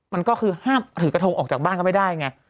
มันก็คือห้ามถือกระทงออกจากบ้านก็ไม่ได้ไง